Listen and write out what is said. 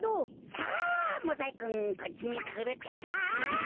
さあモザイクンこっちにくるってか！